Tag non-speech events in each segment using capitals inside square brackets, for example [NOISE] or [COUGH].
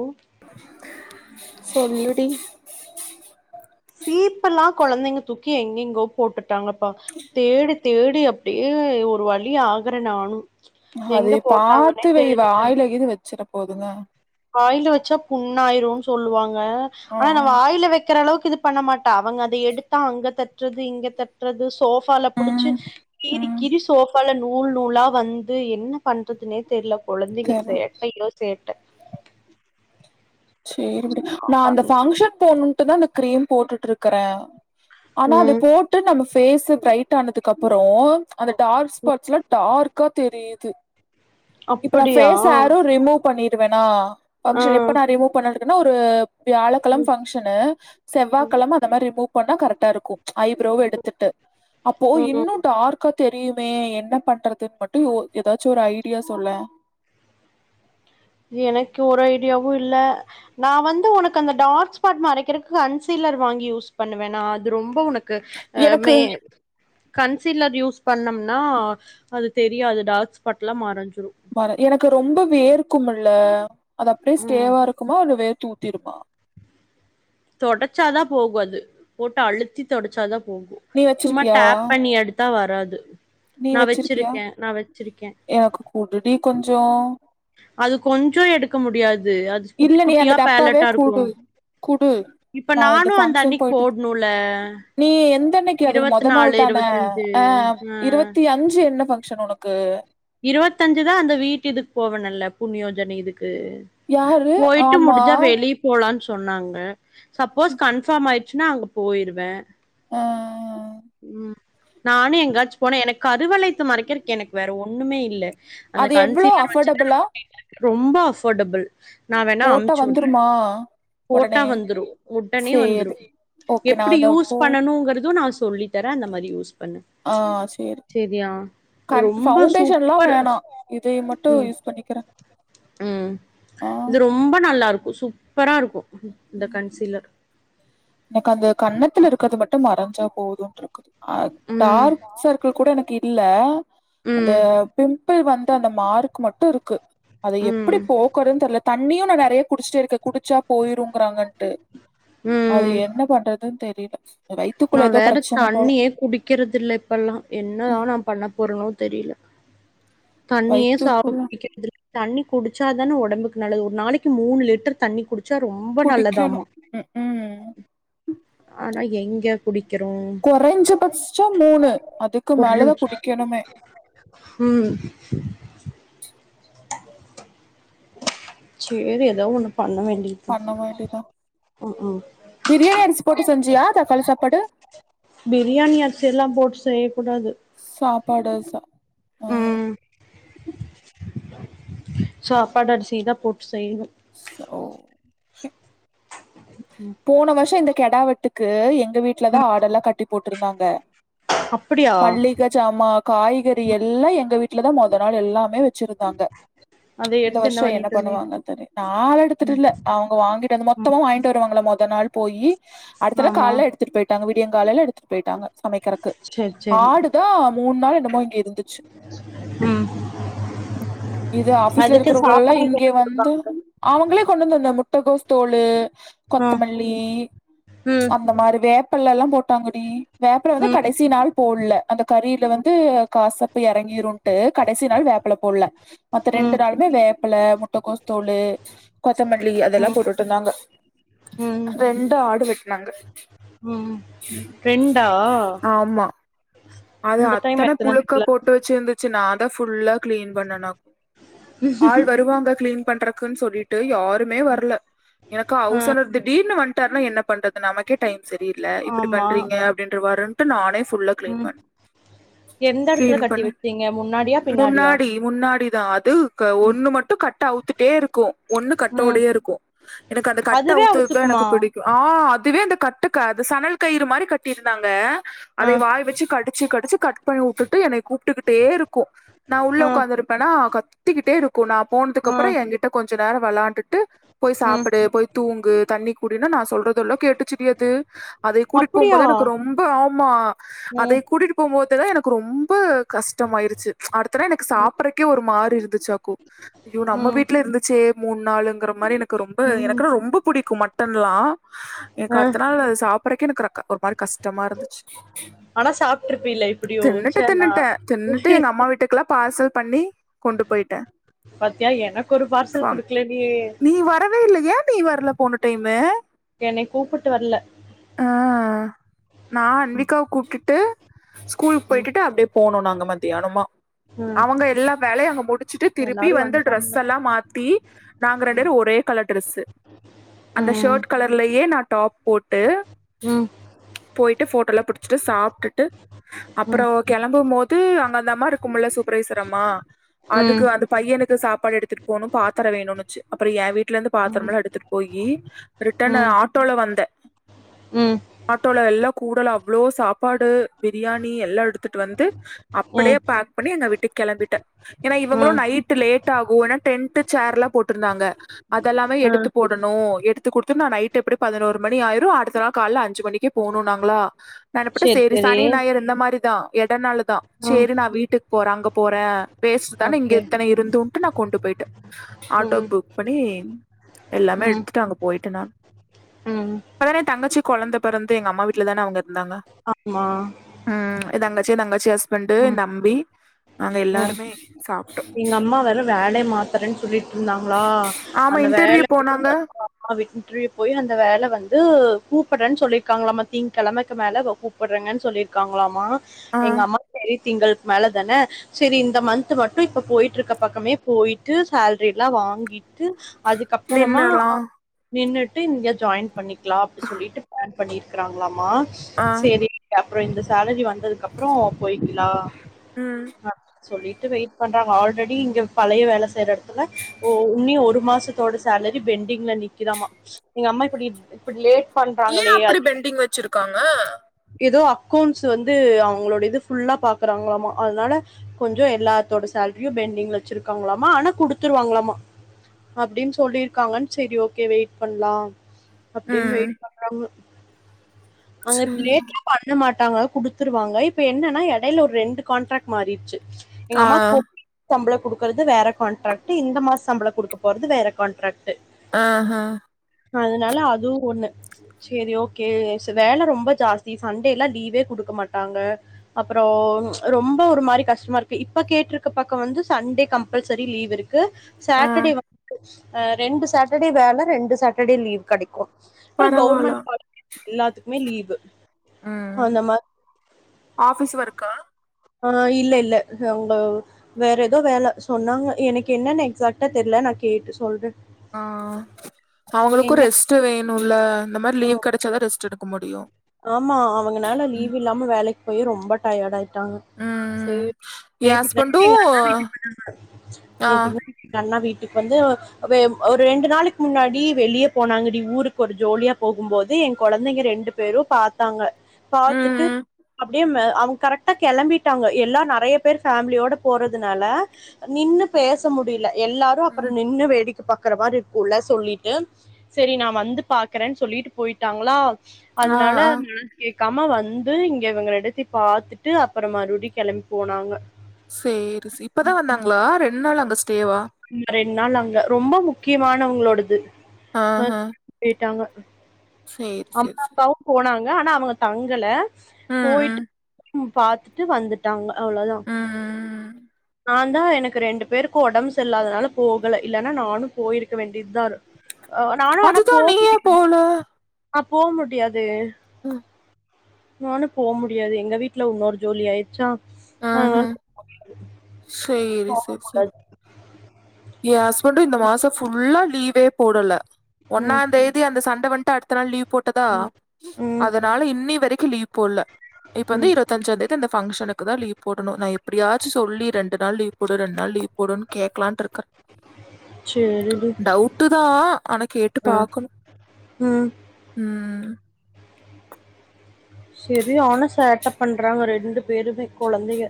ஒ சொல்லு டி சீப்பெல்லா கொழந்தைங்க தூக்கி எங்கெங்கோ போட்டுட் டாங்கப்பா தேடு தேடி அப்டியே ஒரு வழி ஆகுற நானு எங்க அதய போட்டாங்கன்னே பாத்து வெய் தெரில வாயல கிது வச்சிட போதுங்க வாயில வச்சா புண்ணாயிருன்னு சொல்லுவாங்க ஆ ஆனா நா வாயில வைக்கிறளவுக்கு இது பண்ண மாட்டா அவங்க அத எடுத்தா அங்க தட்டுறது இங்க தட்டுறது ஸ் சோஃபால புடிச்சு ம் கீறி ம் கீறி சோஃப் பல நூல் நூலா வந்து என்ன பண்றதுன்னே தெரில கொழந்தைங்க தெர்ல சேட்டையோ சேட்ட சேரி [UNINTELLIGIBLE] நா அந்த ஃபங்க்ஷன் போகணு இப்ப தா அந்த கிரீம் போட்டுட்டு இருக்குற ஆனா அத ம் போட்டு நம்ம ஃப் ஃபேஸ் ப்ரைட்டானதுக்கப்பறோ அந்த டார்க் ஸ்பாட்ஸ்லா டார்க்கா தெரியுது இப்ப நா அப்படியா ஃபேஸ் ஆரு ரிமூவ் பண்ணிடுவனா ஆ ஃபங்க்ஷன் எப்ப நா ரிமூவ் பண்ண இருக்கன்னா [UNINTELLIGIBLE] வியாழக்கெழம ம் ஃபங்க்ஷனு செவ்வா கெழம அந்தமாரி ரிமூவ் பண்ணா கரெக்டாயிருக்கு ஐப்ரோவு எடுத்துட்டு அப்போ ம் இன்னு டார்க்கா தெரியுமே என்ன பண்றதுன்னு மட்டு யோ எதாச்சு ஒரு ஐடியா சொல்லே எனக்கு ஒரு ஐடியாவு இல்ல நா வந்து உனக்கு அந்த டார்க் ஸ்பாட்ஸ் மறைக்கறக்கு கன்சீலர் வாங்கி யூஸ் பண்ணுவே நா அது ரொம்ப உனக் கு ஆ எனக்கு மே கன்சீலர் யூஸ் பண்ணம்னா அது தெரியாது டார்க் ஸ்பாட்ஸ்லா மறஞ்சி [UNINTELLIGIBLE] எனக்கு ரொம்ப வேர்க்கு ம ல்ல அது அப்டியே ம் ஸ்டேவா இருக்குமா இல்ல வேர்த்து ஊத்திடுமா தொடச்சாதா போகு அது போட்டு அழுத்தி தொடச்சாதா போகு நீ சும்மா வச்சிருக்கியா? டேப் பண்ணி எடுத்தா வர் [UNINTELLIGIBLE] நீ நா வச்சிருக்கியா? வச்சிருக்கே நா வச்சிருக்கே எனக்கு குடுடி கொஞ்சம். அது கொஞ்சோ எடுக்க முடியாது து அது குட்டி இல்ல குட்டியா பேலட்டா இருக்கு ஹு இப்ப நா இந்த நானு அந்த பங்க்ஷன் அன்னைக்கு போயிட்டு போடணுல நீ எந்தனைக்கு அதுக்கு இருவத்தி மொத நாலு நாள் தான இருவத்தஞ்சு ஆ ஆ இருவத்தி அஞ்சு என்ன பங் ஷன் ஒனக்கு இருவத்தஞ்சுதா அந்த வீட்டுதுக்கு போவோனல்ல புண்ணியோஜன இதுக் கு யாரு? போயிட்டு ஆமா. முடிஞ்சா வெளியே போலானு சொ சொன்னாங்க சப்போஸ் கன்ஃபார்ம் ஆய் ச்சுனா அங்க போயிருவ அ ம் நானு எங்காச்சு போனா எனக் கருவளையத்த மறைக்குறக்கு எனக்கு வேற ஒன் ஒண்ணுமே இல்ல அந்த அது எவ்ளோ கன்சீலர் வச்சுதா நா அஃபர்டபுளா? ஓட்டிட்டு இருக்க ரொம்ப அஃபார்டபுள். நா வேணா போட்டா அம்ச்சுடுற வந்துருமா ஒடனே போட்டா வந்துரு உடனே வந்துரு சேரி ஓகே நா எப்டி அத யூஸ் போ பண்ணணும்ங்கறது நா சொல்லித்தர் த அந்த மாரி யூஸ் பண்ணு. ஆ சேரி சரியா? கண் ரொம்ப ஃபவுண்டேஷ் ஷெல்லா சூப்பர். வேணா இதை மட்டும் யூஸ் பண்ணிக்கிறே உம் ஆ இது ரொம்ப நல்லா இருக்கு சூப் பரா இருக்கு இந்த கன்சீலர் எனக்கு அந்த கன்னத்துல இருக்கறது மட்டும் மறஞ்சாப் போதும்ண்டுருக்குது. ஆஹ் ம் டார்க் சர்க்குள் கூட எனக்கு இருக் இல்ல. அந்த ம் பிம். பில் வந்த அந்த மார்க்கு மட்டு இருக்கு. அது எப்டி ம் போக்கறன்னு தெர்ல தண் தண்ணியு நா நெறைய குடிச்சுட்டே இருக்கே குடிச்சா போயிரு ன்றாங்கன் ட்டு அது ம் என்ன பண்றதுன் தெரியல. நா வேற தண்ணியே குடிக்கிறது இல்ல இப்பல்லா என்னதா நா பண்ண போறனோ தெரியல. தண்ணியே வயித்துக்குள்ள சாப்பிட்டு குடிக்குறது இல்ல. தண்ணி குடிச்சாதான ஒடம்புக்கு நல்லது ஒரு நாளைக்கு மூணு லிட்டர் தண்ணி குடி குடிக்கணும் உக்கும். ஆனா எங்க குடி. குறைஞ்ச பச்சோ மூணு அதுக்கு ஒரு மேலதான் நிமிஷ குடிக்கணுமே. ம் சேரி ஏதோ ஒன்னு. பண்ண வேண்டியதான் பண்ண வேண்டியதா உக்கும். பிரியாணி அரிசி போட்டு செஞ்சியா தக்காளி சாப்பாடு பிரியாணி அரிசி எல்லாம் போட்டு செய்யக் கூடாது. பாடு சாப். உம். சாப்பாட்டு அரிசிதா போட்டு. செய்யணு சோ. போன வருஷம் இந்த கெடாவெட்டு க்கு எங்க வீட்டுல தான் ஆடெல்லாம் கட்டி போட்டுருந்தாங்க அப்படியா மல்லிகை ஜாமா காய்கறி எல்லாம் எங்க வீட்டுலதான் மொத நாள் எல்லாமே வெச்சிரு ங்க அத இந்த எடுத்து வருஷம் என்ன பண்ணிட்டு இருந்தே பண்ணுவாங்க எடுத்துட்டு அவங்க வாங்கிட்டு அ மொத்தமா வாங்கிட்டு மொத நாள் போய் அடுத்தத்துல ஆமா கால எடுத்துட்டு போயிட்டாங்க காலையில் எடுத்துட்டு போயிட்டாங்க சமைக்கிறதுக்கு சரி சரி ஆடுதான் மூணு நாள் என்னமோ இங்க இருந்துச்சு ம் இது ஆபீஸ்ல அதுக்கு இருக்கிறவர்கள் எல்லாம் சாப்பிடறக்கு இங்க என்ன வந்து குடுப்பாங்க அவங்களே கொண்டு வந்த அந்த முட்டகோஸ் தோள் ம் கொத்தமல்லி ம் அந்த மாதிரிவே ப்பல்ல எல்லாம் போட்டாங்கடி வேப்பரம் வந்து ம் கடைசி நாள் போடல அந்த கறில வந்து காசப்ப எறங்கிரும்ன்ட்டு கடைசி நாள் வேப்பல போடல மத்த ரெண்டு ம் நாளுமே வேப்பில முட்டைக்கோச தோளு கொத்தமல்லி ம் அதெல்லாம் போட்டுட்டு இருந்தாங்க ம் ரெண்டு ஆடு வெட்டனாங்க ம் ரெண்டா ஆமா அது இந்த டைம் அத்தன எத்தன புழுக்க தெர்ல போட்டு வெச்சிருந்துச்சு நான் ஃபுல்லா கிளீன் பண்ணனா ஆள் வருவாங்க கிளீன் பண்றக்குன்னு சொல்லிட்டு யாருமே வரல எனக்கு அவசணர் திடீர்னு வந்து தரும் என்ன பண்றது நமக்கே டைம் சரியில்ல இப்படி ஆமா பண்றீங்க அப்படின்ற வாரு நானே ஃபுல்லாக்ளீன் ம் பண்ணு எந்த எடத்துல கிளின் கட்டி பண்ண வச்சீங்க முன்னாடியா பின்னாடியா முன்னாடி முன்னாடிதா அது ம் ஒண்ணு மட்டு கட்ட அவுத்துட்டே இருக்கு ஒண்ணு ம் கட்டோடயே இருக்கு எனக்கு அந்த கட் அதுவே அவுத்தது தா எனக்கு அவுத்துக்குமா பிடிக்கு ஆஹ் அதுவே அந்த கட்டுக்க அது சனல் கயிறு மாதிரி கட்டிருந்தாங்க ஆ அதை வாய் வச்சு கடு கடிச்சு கடிச்சு கட் பண்ணி உட்டுட்டு எனய கூப்ட்டுக்கிட்டே இருக்கு நா உள்ள ஆ உட்காந்துருப்பேன்னா கத்திக்கிட்டே இருக்கு நா போனதுக்கு ஆ அப்புறம் என்கிட்ட கொஞ்ச நேர விளாண்டுட்டு போய் ம் சாப்பிடு போய் தூங்கு தண்ணி குடினு நா சொல்றதெல்லா கேட்டு ச்சுடி அது அதைய கூட்டிட்டு போம்போது அப்படியா தா எனக்கு ரொம்ப ஆமா அதே ம் கூட்டிட்டு போம்போதுதா எனக்கு ரொம்ப கஸ்டமாயிடுச்சு அடுத்தலா எனக்கு சாப்புறக்கே ஒரு மாறி இரு துச்சு ஐயோ நம்ம ம் வீட்ல இருந்துச்சே மூணு நாளுங்றா மாரி எனக் எனக்கு ரொம்ப ம் எனக்குன்னா ரொம்ப புடிக்கு மட்டன்ல்லா எனக்கு ஆ அடுத்த நாள் அது சாப்புட்றக்கே க க எனக்கு ஒரு மாரி கஸ்டமா இருந்துச்சு ஆனா சாப்ட்டுருப்பீல்ல இப்படியோ தின்னுட்ட ச்சே நா தின்னுட்ட தின்னுட்டு எங்க அம்மா வீட்டுக்குல்லா ப பார்சல் பண்ணி கொண்டு போயிட்டே பாத்தியா எனக்கு ஒரு பார்சல் ஃபன் குடுக்கல நீ நீ வரவே இல்லையே ஏ நீ வர்ல போன டைமு என்னை கூப்பிட்டு வரல ஆ நா அன்விகாவ கூப்ட்டுட்டு ஸ்கூலுக்கு ம் போயிட்டுட்டு அப்டியே போனோ நாங்க மத்தியானமா ம் அவுங்க எல்லா வேலையு அங்க முடிச்சுட்டு திருப்பி எல்லாரு வந்து வந்ட்டாங்க ட்ரெஸ்ஸெல்லா மாத்தி நாங்க ரெண்டேரு ஒரே கலர் ட்ரெஸ்ஸு அந்த ம் ஷ்ஷர்ட் கலர்லயே நா டாப் போட்டு ம் போயிட்டு ஃபோட்டோலா புடுச் ட்டு சாப்ட்டுட்டு அப்றோ ம் கெலம்பும் போ து அங்க அந்தம்மா இருக்கும்முல ச ப்ரவைசரமா அதுக்கு ம் அது பையனுக்கு சாப்பாடு எடுத்துட்டு போனும் பாத்தரோ வேணுனுச்சு அப்றோ ஏ வீட் ட்லருந்து ம் ம் பாத்திரம்லா எடுத்துட்டு போயி ரிட்டன்னு ஆட்டோல வந்தே ம் ஆட்டோல எல்லா கூடலா இவ்ளோ சாப்பாடு பிரியாணி எல்லா எடுத்துட்டு வந்து அப்படியே ம் பேக் பண்ணி எங்க வீட்டுக் கெளம்பிட்டே ஏன்னா இவுங்களு ம் நைட் லேட் டாகு டென்ட் சேர்லா போட்ருந்தாங்க அதெல்லாமே எடுத்து ம் போடணு எடுத்து குடுத்துட்டு நா நைட் எப்டி பதினோரு மணி ஆயிரு அடுத்த நாள் கால்ல அஞ்சு மணி போனோ நாங்களா நா என்ன பண்ணிட்டே சேரி சரி சேரி சனி ஞாயர் இந்த மாரி தா எட நாளுப் தா ம் சேரி நா வீட்டுக் போற அங்க போற பேஸ்ட்தா இங்க ஓகே இத்தன இருந்துன்டு நா கொண்டுப் போயிட்டு ஆட்டோ ம் புக் பண்ணி எல்லாமே ம் எடுத்துட்டு அங்க போயிட் டே நான் ம் ப்பதானே தங்கச்சி கொழந்த பெறந்து எங்க அம்மா வீட்டுல தானே அவுங்க இருந்தாங்க ஆமா உம் இதாங்க ச்சி தங்கச்சி ஹஸ்பண்ட்டு எயா நம்பி உம் எங்க அம்மா வேர வேலைய மாத் தரன் சொல்லி ஆமா இன்டர்வியூ போனாங்க மா இன்டிரியூ போய் அந்த வேல வந்து கூப்புட்றேன்னு சொல்லியிருக்காங்களாமா திங்க கிழமைக்கு மேல கூப்பட்றங்கன்னு சொல்லிருக்காங்களாமா ஆ எங்க அம்மாக் தெரி திங்களுக்கு மேல தானே சேரி இந்த மந்த் மட்டும் இப்ப போயிட்டு இருக்க பக்கமே போயிட்டு சேலரி எல்லா வாங்கிட்டு து அதுக்கப்பறமா நின்னர்லா நின்னுட்டு இங்க ஜாயின் பண்ணிக் களா அப்டி சொல்லிட்டு பண்ணி இருக்கறாங்களாமா ஆ சேரி ப்ப அப்புறோ இந்த சேலரி வந்ததுக்கு அப்புறோ போய்க்கலா ம் அப்படின்னு சொல்லிட்டு வெயிட் பண்றாங்க ஆல்ரெடி இங்க பழைய வேல செய்ற எடத்துல ஓ உன்னியு ஒரு மாசத்தோட சேலரி பெண்ட் டிங்ல நிக்குதாமா எங்க அம்மா இப்படி இப்படி லேட் ஏ பண்றாங்களே அப்டி அது பெண்டிங் வச்சிருக்காங்க கௌண்ட்ஸ் வந்து அவ்ங்களோட இது ஃபுல்லா பாக்குறாங்களாமா அதனால கொஞ்ச எல்லாத்தோட சேல்ரியு பெண்டிங் வச்சிருக்காங்களாமா ஆனா குடுத்துருவாங்களாமா அப்டின் சொல்லிருக்காங்கன் செரி ஓகே வெயிட் பண்லா அப்டின் ம் வெயிட் பண்றாங்கோ அங்க இப்டி சேரி லேட்லா பண்ண மாட் டாங்க குடுத்துருவாங்க இப்ப என்னனா எடைல ஒரு ரெண்டு கான்ட்ராக்ட் மாறிட்ச்சு எங்க ஆ அம்மா போ தம்பளம் உங்களது வேற கான்ட்ராக்ட் இந்த மாச சம்பள குடுக்கப் போறது வேற கான்ட்ராக்ட் ஆஹ அதுனால அதுவு ஒன்னு சரி ஓகே வேல ரொம்ப ஜாஸ்தி சண்டே எல்லா லீவே குடுக்க மாட்டாங்க அப்புற ரொம்ப ஒரு மாரி கஷ்டமா இருக்கு இப்ப கேட்ருக்க பக்க வந்து சண்டே கம்பல்சரி லீவ் இருக் கு வந்து ஆ சாட்டர்டே வ ஆ ரெண்டு சாட்டர்டே வேலை, ரெண்டு சாட்டர்டே லீவ் கெடைக்கு ஒரு பரவால கவர்மெண்ட் காலே எல்லாத்துக்குமே லீவு ம் அந்த மா ஆஃபிஸ் ஒர்க்கா ஆ இல்ல இல்ல அவுங்க வேற ஏதோ வேலை சொன்னாங்க எனக்கு என்னன்னு எக்ஸாக்ட்டா தெர்ல நா கேட்டு சொல்றே ஆ அவங்களுக்கு ரெஸ்ட் வேணு ல்ல இந்த மாரி அ லீவ் கெடைச்சாதா ரெஸ்ட் எடுக்க முடியு ஆமா அவுங்கனால ம் லீவ் இல்லாம வேலைக்கு போயி ரொம்ப டயர்டு ஆயி ட்டாங்க ம் [UNINTELLIGIBLE] எ நேத்து ஹஸ்பண்டு நைட்டு எங்க ஆ அண்ணா வீட்டுக்கு இப்ப வந்து ஒ ஒரு ரெண்டு நாளைக்கு முன்னாடி வெளியே போனாங்கடி ஊருக்கு ஒரு ஜோலியா போகும்போது எ கொழந்தைங்க ரெண்டு பேரும் பாத்தாங்க ம் பாத்துட்டு ம் அப்படியே மே அவுங்க கரெக்டா கிளம்பிட்டாங்க. எல்லா நெறயா பேர் ஃபேமிலியோட போறதுனால நின்னு பேச முடில. எல்லாரு அப்புறோ ம் நின்னு வேடி த்து பாக்குற மாரி இருக்குல்ல சொல்லிட்டு சரி நா வந்து பாக்கறன்னு சொல்லிட்டு போயிட்டாங்ளா. ஆ அதனால ஆ நா கே காம வந்து இங்க இவங்க ரெண்டத்தயு பாத்துட்டு அப்புறோ மறுபடி கிளம்பி போனாங்க. சேரி, சிப் இப்பதா வந்தாங்களா? ரெண்டு நாள் அங்க தேவா ரெண்டு நாள் அங்க ரொம்ப முக்கியமானவங்களோடது. ஆஹ் ஹா ட்டாங்க அம்மா அப்பாவு போனாங் ஆனா அவங்க தங்கல. ம் போயிட்டு ம் ம் பாத்துட்டு வந்துட்டாங்க அவ்ளோதா ம் ம் நான் நா எனக்கு ரெண்டு பேரு ஒடம்பு செல்லாதனால போகல இல்லனா நானு போயிர்க்க வேண்டியதுதார் அதுதா நீயே போல ந போ முடியாது ஆஹ்ம் நானு போ முடியாது எங்க வீட்ல உன்னொரு ஜோலி ஆய்ச்சா ஆஹ்ஹ சேரி போக சேர் சேரி கூடாது எ ஹஸ்பண்டு இந்த மாசோ ஃபுல்லா லீவே போடல ஒன்னா ம் தேதி அந்த சந் வண்ட்ட அடுத்த நாள் லீவ் [UNINTELLIGIBLE] போட்டதா ம் ம் அதனால இன்னி வரைக்கு லீ போல்ல இப்ப வந்து ம் இருவத்தஞ்சந் தேதி அந்த பங்க்ஷனுக்கு தா லீவ் போடனு ந இ எப்டியாச்சு சொல்லி ரெண்டு நாள் லீவ் ஒரு ரெண்ணால் லீவ் உடன் கேக்லான்ட்டு இர்க்க சேரிடி டவ்ட்டு தா ஆனா கேட்டு அ பாக்கணு ம் உம் உம் சேரி ஆன சேட்ட பண்றாங்க ரெண் பெருமை குழந்தைக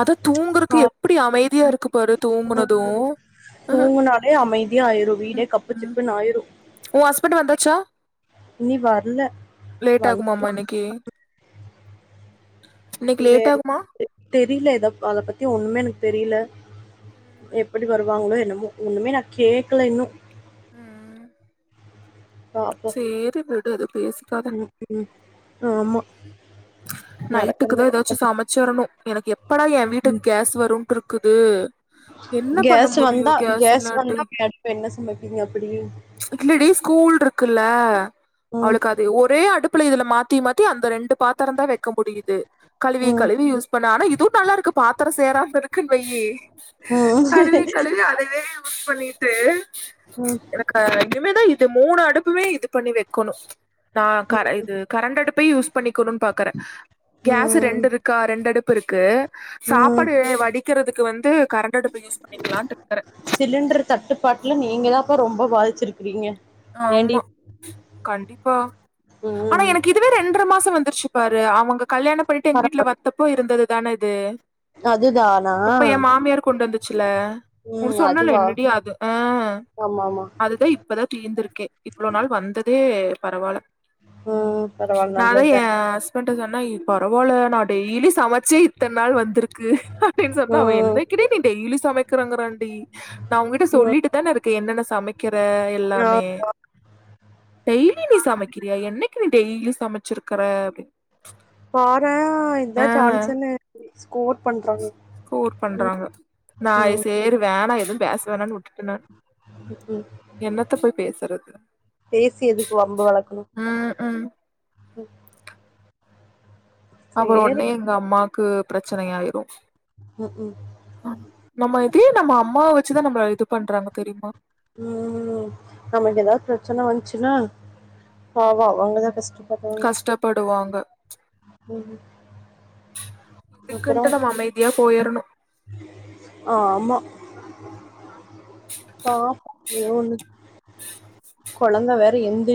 அத தூங்குறக் எப்டி அமைதியா இருக்கு பாரு தூங்குனதூ ம் தூங்குனாலே அமைதியா ஆயிரு வீடே கப்பு ம் சிப்புன்னு ஆயிரு உ ஹஸ்பண்ட் வந்தாச்சா இனி வரல. லேட் ஆகுமமா இன்னைக்கி லேட் ஆகுமா [UNINTELLIGIBLE] தெரில ஏத அத பத்தி ஒண்ணுமே எனக்கு தெரில எப்டி வருவாங்ளோ என்னமோ ஒண்ணுமே நா கேக்கல இன்னு உம் பாப்போம். சேரி விடு அத பேசிக்காத ம், ம். ஆமா நைட்டுக்கு நடக்கறது. தா ஏதாச்சு சமைச்சரணு எனக்கு எப்படா என் வீட்டுக் கேஸ் வரும்டிர்க்குது என்ன பண்ண கேஸ் முடியு வந்தா கேஸ் இல்லாட்டி வந்தா மேடம் என்ன சமைப்பீங்க அப்படி? இல்லடி ஸ்கூல் இருக் கில்ல ம், அவளுக்கு அது ஒரே அடுப் ப்ல இதுல மாத்தி மாத்தி அந்த ரெண்டு பாத் தரந்தா வெக்க முடியுது கழுவி ம், கழுவி யூஸ் பண்ண ஆனா இதுவு நல்லா இருக்கு பாத்தரோ சேராம இருக்குன்னு வெயி ம், கழுவி கழுவி அதவே குக் பண்ணிட்டு ம், எனக்க இன்னிமேதா இத் இது மூணு அடுப்புமே இது பண்ணி வைக்கணும் நான் கர இது கரண்ட் அடுப் இப்ப யூஸ் பண்ணிக்க கொனுனு பாக்கறேன் கேஸ் ம், ரெண்டு இருக்கா ரெண்டு அடுப் ப்பு இருக்கு ம். சாப்பாடு வடிக்கிறதுக்கு வந்து கரண்ட அடுப்பு யூஸ் பண்ணிக்கலான்ட்டு இருக்கிறே சிலிண்டர் தட்டுப்பாட்டுல நீங்க தான்ப்பா ரொம்ப பாதிச்சிருக்கீங்க ஆமா கண்டிப்பா ம், ஆனா ம். எனக்கு இதுவே ரெண்டு மாசம் வந்துருச்சு பாரு அவங்க கல்யாணம் பண்ணிட்டு எங்க வீட்டுல பரவால்ல. வத்தப்போ இருந்ததுதானே இது அதுதானா? அப்ப என் மாமியார் கொண்டு வந்துச்சல ஒரு ம். சொன்னல அதுவா? என்னடிா அது ஆஹ ஆமாமா. அதுதான் இப்பதான் இருந்திருக்கே இவ்ளோ நாள் வந்ததே பரவாயில்ல ம். பரவால்ல நானு ஏ நல்லதுதான். ஹஸ் பேண்ட் மட்டும்தான ஏய் பரவாயில்ல நான் டெய்லி சமைச்சே இத்தனை நாள் வந்திருக்கு அப்படின்னு சொன்னா அவன் ம். என்னைக்கிடி நீ டெய்லி சமைக்கிறாங்க ராண்டி நான் உங்கிட்ட சொல்லிட்டு தானே இருக்கேன் என்னென்ன சமைக்கிற எல்லா மே நான் டெய்லி நீ சமைக்கிறியா என்னைக்கு நீ டெய்லி சமைச்சிருக்கற அப்படினு பாரே ஆ ஆஹ் இத சான்ஸ்ன்னு ஸ்கோர் பண்றாங்க. ஸ்கோர் பண்றாங்க நான் ம், சேரி வேணா பேச வேணானு விட்டுட்டே என்ன ம். என்னத்த போய் பேசுறது பேசி எதுக்கு வம்பு வளக்கணும். உம் உம் அப்புறோ சரி. உடனே எங்க அம்மா க்கு பிரச்சனையாயிரு ம்கு தீ நம்ம அம்மாவ்வச்சுதா நம்ள இது பண்றாங்க தெரியுமா உம் நமக்கெதாது பிரச்சன வந்ச்சுனா பாவொ அவங்கதா கஷ்ட் கஷ்டப்படுவாங்க ம். இதுக்குன்ட்டு நம்ம அமைதியா போயரணு ஆஹ் ஆமா பாப்போ ஏதோ ஒண்ணு குழந்த வேற எந்த்ரி